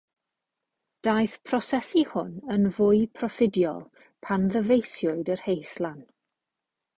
Daeth prosesu hwn yn fwy proffidiol pan ddyfeisiwyd yr heislan.